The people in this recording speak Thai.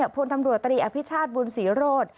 พลตำรวจตรีอภิชาติบุญศรีโรธ